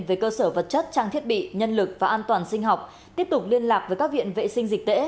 về cơ sở vật chất trang thiết bị nhân lực và an toàn sinh học tiếp tục liên lạc với các viện vệ sinh dịch tễ